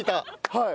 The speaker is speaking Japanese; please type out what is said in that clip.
はい。